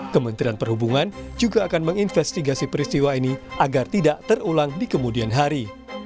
kementerian perhubungan juga akan menginvestigasi peristiwa ini agar tidak terulang di kemudian hari